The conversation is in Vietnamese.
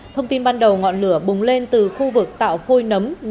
thông tin ban đầu ngọn lửa bùng lên từ khu vực tạo phôi nấm